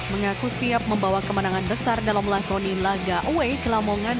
mengaku siap membawa kemenangan besar dalam melakoni laga away ke lamongan